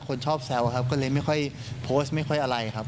คนชอบแซวครับก็เลยไม่ค่อยโพสต์ไม่ค่อยอะไรครับ